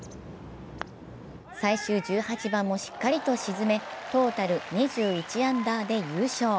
最終１８番もしっかりと沈めトータル２１アンダーで優勝。